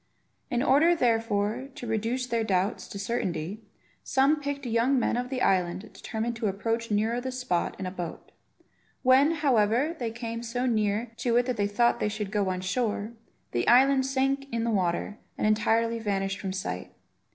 In order, therefore, to reduce their doubts to certainty, some picked young men of the island determined to approach nearer the spot in a boat. When, however, they came so near to it that they thought they should go on shore, the island sank in the water and entirely vanished from sight.